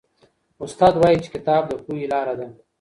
استاد وایي چي کتاب د پوهي لاره ده.